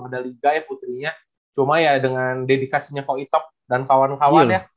ada liga ya putrinya cuma ya dengan dedikasinya kok itok dan kawan kawan ya